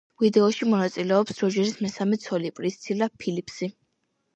ვიდეოში მონაწილეობს როჯერის მესამე ცოლი, პრისცილა ფილიპსი.